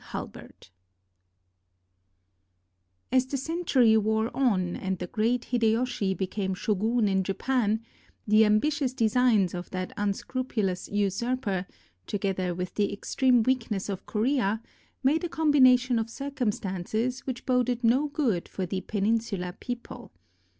HULBERT As the century wore on, and the great Hideyoshi be came shogun in Japan, the ambitious designs of that un scrupulous usurper, together with the extreme weakness of Korea, made a combination of circumstances which boded no good for the peninsula people.